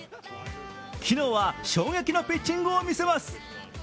昨日は衝撃のピッチングを見せます。